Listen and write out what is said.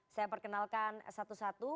saya perkenalkan satu satu